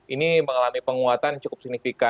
ini mengalami penguatan cukup signifikan